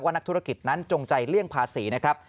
นักธุรกิจนั้นจงใจเลี่ยงภาษีนะครับ